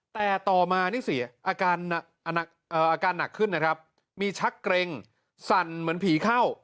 แต่ต่อมานี่สิอาการหนักขึ้นนะครับมีชักเกร็งสั่นเหมือนผีเข้า